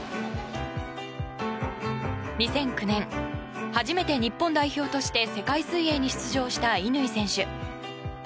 ２００９年初めて日本代表として世界水泳に出場した乾選手。